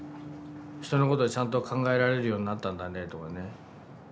「人のことちゃんと考えられるようになったんだね」とかね。